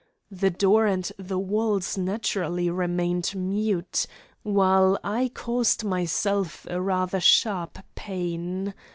The door and the walls naturally remained mute, while I caused myself a rather sharp pain.